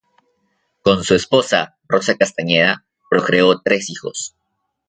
Con su esposa, Rosa Castañeda, procreó tres hijos.